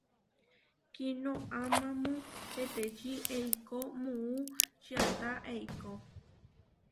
Kinoamámu petečí eikó muú čiata eikó.